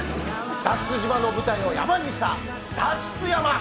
脱出島の舞台を山にした脱出山。